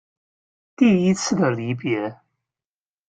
第一次的離別